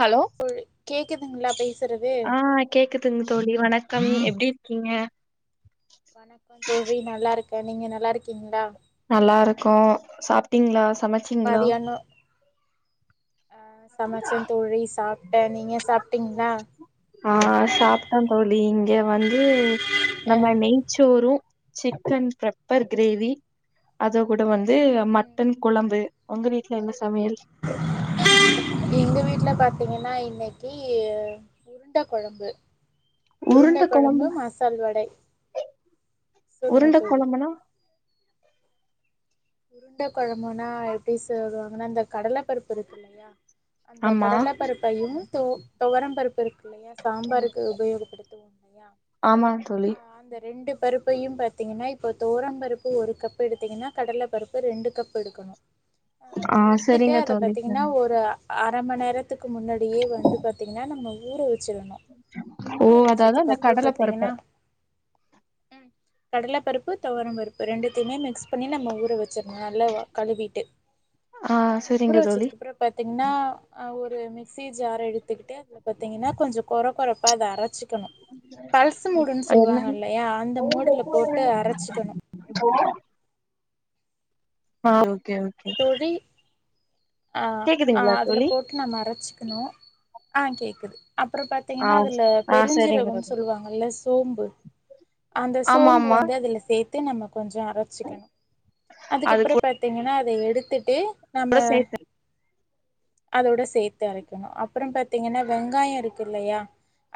hello புல் கேக்குதுங்ளா பேசு ஆ கேக்குதுங் தோழி வணக்கம் எப்டி இருக்கீங்க வணக்க தோழி நல்லாருக்கே நீங்க நல்லாருக்கீங்களா நல்லாருக்கூ சாப்ட்டீங்களா சமைச் மதியானொ சமச்ச தோழி சாப்ட்டே நீங்க சாப்டீங்களா ஆ சாப்ட்ட தோழி இங்க வந்து ஆ நம்ம நெய் சோறும் சிக்கன் பெப்பர் கிரேவி அது கூட வந் ந்து ம் மட்டன் கொழம்பு ஒங்க வீட்ல என்ன சமையல் ம் எங்க வீட்ல பாத்தீங்கன்னா இன்னைக்கி உருண்ட கொழம்பு உருண்ட கொழம்பு மசால் வடை சொல்லுங்க உருண்ட தோழி கொழம்புனா உருண்ட கொழம்புன்னா எப்படி செய்வாங்கன்னா இந்த கடலை பருப்பு இருக் அந்த ஆமா கடலை பருப்பையும் துவர பருப்பு இருக் இல்லையா சாம்பாருக்கு உபயோகப்படுத்து ஆமா தோழி அந்த ரெண்டு பருப்பையு பாத்தீங்கன்னா இப்போ தொவரம் பருப்பு ஒரு கப்பு எடுத்தீங்கன்னா கடல பருப்பு ரெண்டு கப் எடுக்கணு அ ஆ எடுத்துட்டு சரிங்க அத தோழி பாத்தீங்கன்னா ஒரு அர மண் நேரத்துக்கு முன்னாடியே வந்து பாத்தீங்கன்னா நம்ம ஊர வச்சிரணு ஓ ஊற அதாது வச்சதுக்கு அந்த அப்புறோ கடலை பருப்ப பாத்தீங்கன்னா ம் கடல பருப்பு தொவர பருப்பு ரெண்டுத்தையுமே மிக்ஸ் பண்ணி நம்ப ஊற வச் சே நல்லா கழுவிட்டு ஆ ஊற சரிங்க தோழி வச்சதுகப்பறோ பாத்தீங்கன்னா அ ஒரு மிக்சி ஜார எடுத்துக்கிட்டு இது பாத்தீங்கன்னா கொஞ்ச கொற கொறப்பா அத அரச்சு க்குனு பல்ஸ் மூடுன்னு என்ன சொல்லுவாங்கல்லயா அந்த மூடுல போட்டு அரச்சிக்கணு இப்போ ஆ ஓகே ஓ தோழி ஆ ஆ கேக்குதுங்களா அதுல தோழி போட் க்கு நா அறைச்சிக்கணு ஆ கேக்குது அப்பற ஆ பாத்தீங்கன்னா அதுல ஆ சரிங்க பெருஞ்சீரகம்னு தோழி சொல்லுவாங்கல்ல சோம்பு அந்த ஆமா சோம்பு ஆமா வந்து அதுல சேர் த்து நம்ம கொஞ்சொ அரச்சிக்கணு அது அதுக்கப்றோ பாத்தீங்கன்னா அத எடுத்துட்டு நம்ம கூட சேத்து அதோட சேத்து அரைகணு அப்பற பாத் பாத்திங்கன்னா வெங்காயோ இருக்கு இல்லையா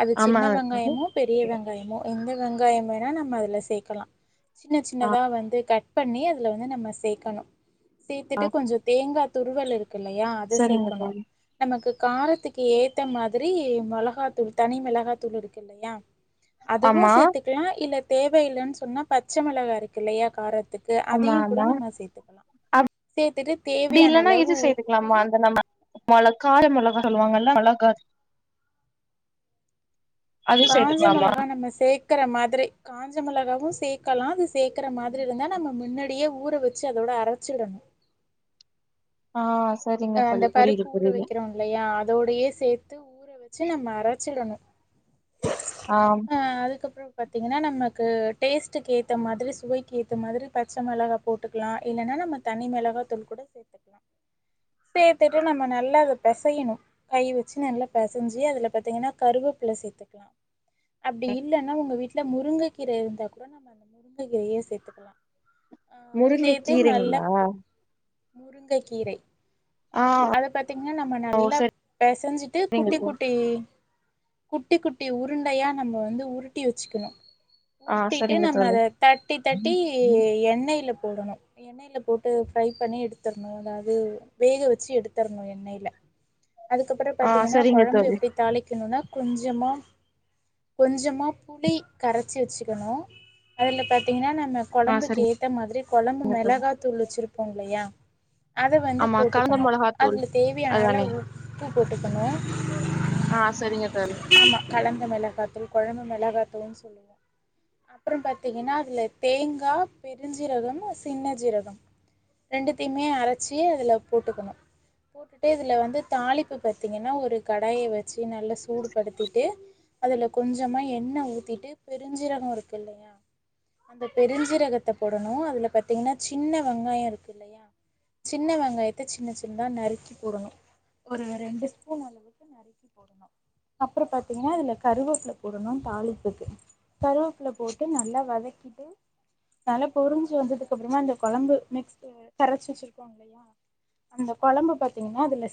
அது ஆமா சின்ன தோழி வெங்காயமா பெரிய வெங்காயமோ எந்த வெங்காயம் வேணா நம்ம அதுல சேக்கலா சின்ன சின்னதா வந்து கட் பண்ணி அதில வந்து நம்ம சேக்கனு சேத்துட்டு கொஞ்சொ தேங்கா துருவல் இருக் இல்லையா அது சரிங்க சேக்கணு தோழி நமக்கு காரத்துக்கு ஏத்த மாதிரி மொளகாத்தூள் தனி மிளகாத்தூள் இருக்கூ இல்லையா அதுவு ஆமா சேர்த்துக்கலா இல்ல தேவையில்லன்னு சொன்னா பச்ச மொளகா இருக் இல்லையா காரத்துக் க்கு ஆமா அதையு கூட ஆமா நம்ம சேத்துகலா அப்டி இல்லன்னா இது செய் உப்பு ஆமா அந்த நம்ம மொள கார மொளகா சொல்லுவாங்கல்ல மெளகா அது காஞ்ச சேத்துக்கலாமா மொளகா நம்ம சேக்கற மாதிரி காஞ்ச மொளகாவு சேத் கலா அது சேக்கற மாதிரி இருந்தா நம்ம முன்னடியே ஊற வச்சு அதோட அரைச்சிடணு ஆ சரிங்க அ அந்த தோழி புரியுது பருப்பு ஊற புரியுது வைக்கிறோ இல்லையா அதோடயே சேத்து ஊற வச்சு நம்ம அரச்சிடணு ஆம் ஆ அதுக்கப்பற பாத்தீங்கன்னா நமக்கு டேஸ்ட்டுக்கு ஏத்த மாதிரி சுவைக்கு ஏத்த மாதிரி பச்ச மிளகா போட்டுக்கலா இல்லன்னா நம்ம தனி மெளகா தூள் கூட சேத்துக்கலா சேத்துட்டு நம்ம நல்லா அத பெசையணு கை வச்சு நல்லா பசஞ்சு அதுல பாத்தீங்கன்னா கருவேப்பில சேத்துகலா அப்டி இல்லன்னா உங்க வீட்ல முருங்க கீர இருந்தா கூட நம்ம முருங்ககீரையே சேத்துக்கலா ஆ முருங்க சேத்தே நல்லா கீரைங்களா முருங்கை கீரை ஆ அத பத்தீங்கன்னா நம்ம நல்லா பேசஞ்சிட்டு சரிங்க குட்டி தோழி குட்டி குட்டி குட்டி உருண்டையா நம்ம வந்து உருட்டி வச்சுக்கணு ஆ உருட்டிட்டு சரிங்க நம்ம தோழி அத தட்டி தட்டி எண்ணைல போடனு எண்ணெயில போட்டு ஃப்ரை பண்ணி எடுத்தர்ணு அதாவுது வேக வச்சு எடுத்தர்னு எண்ணைல அதுக்கப்புறோ ஆ பாத்தீங்கன்னா சரிங்க கொழம்பு தோழி எப்டி தாளிக்கணுனா கொஞ்சமா கொஞ்சமா புளி கரச்சி வச்சுக்கணு அதுல பாத்திங்கன்னா நம்ம ஆ கொழம்புக்கு சரிங்க ஏத்த மாதிரி கொழம்பு மெளகா தூள் வச்சிருப்போங்லையா அத வந்து ஆமா போட் கலந்த டுக்கனு மொளகாத்தூள் அதுல தேவையான அதானே அளவு உப்பு போட்டுக்கணு ஆ சரிங்க தோழி ஆமா கலந்த மெளகாத்தூள் கொழம்பு மெளகா தூள்னு சொல்லுவாங்க அப்றோ பாத்தீங்கன்னா அதுல தேங்கா பெருஞ்சீரகமு சின்ன ஜீரகோ ரெண்டுத்தையுமே அரச்சி அதுல போட்டுக்கனு போட்டுட்டு இதுல வந்து தாளிப்பு பாத்தீங்கன்னா ஒரு கடாய வச்சு நல்லா சூடு படுத்திட்டு அதுல கொஞ்சமா எண்ணெ ஊத்திட்டு பெருஞ்சீரகோ இருக்கு இல்லயா அந்த பெருஞ்சீரகத்த போடனு அதுல பாத்தீங்கன்னா சின்ன வெங்காயோ இருக்குல்லயா சின்ன வெங்காய சின்ன சின்னதா நறுக்கி போடணு ஒரு ரெண்டு் ஸ்பூன் அளவுக்கு நறுக் அப்பறோ பாத்தீங்கன்னா அதுல கருவேப்புல போடனு தாளிப்புக்கு கருவேப்ல போட்டு நல்லா வதக்கிட்டு நல்ல பொரிஞ்சு வந்ததுக்கு அப்றமா இந்த கொழம்பு மிக்ஸ்ஸு கரச்சு வச்சிருக்கோ இல்லயா அந்த கொழம்பு பாத்தீங்கன்னா அதுல